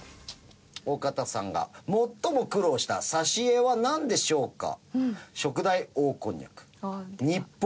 大片さんが最も苦労した挿絵はなんでしょうか？